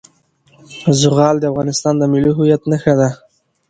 زغال د افغانستان د ملي هویت نښه ده.